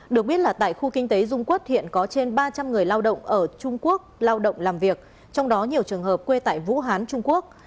được biết là tại khu kinh tế dung quốc hiện có trên ba trăm linh người lao động ở trung quốc lao động làm việc trong đó nhiều trường hợp quê tại vũ hán trung quốc